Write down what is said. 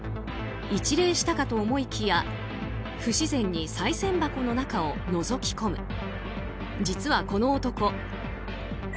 一礼したかと思いきや不自然にさい銭箱の中をのぞき込む。